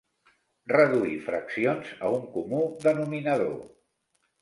Reduir fraccions a un comú denominador.